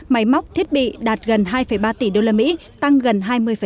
máy móc thiết bị đạt gần hai ba tỷ đô la mỹ tăng gần hai mươi